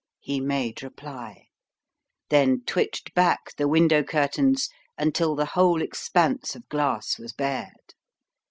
he made reply; then twitched back the window curtains until the whole expanse of glass was bared.